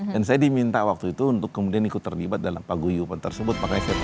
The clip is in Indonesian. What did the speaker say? dan saya diminta waktu itu untuk kemudian ikut terlibat dalam paguyupan tersebut